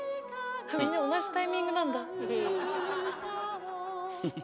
みんな同じタイミングなんだ。